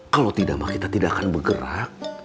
kalau tidak kita tidak akan bergerak